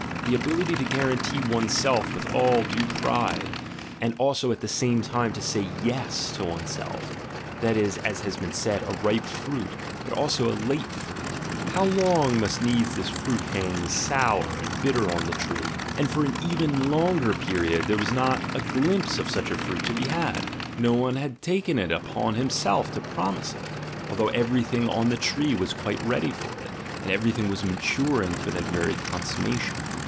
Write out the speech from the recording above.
The ability to guarantee one's self with all due pride, and also at the same time to say yes to one's self — that is, as has been said, a ripe fruit, but also a late fruit: — How long must needs this fruit hang sour and bitter on the tree! And for an even longer period there was not a glimpse of such a fruit to be had — no one had taken it on himself to promise it, although everything on the tree was quite ready for it, and everything was maturing for that very consummation.